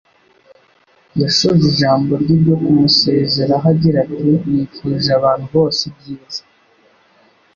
yashoje ijambo rye ryo kumusezeraho agira ati: "Nifurije abantu bose ibyiza."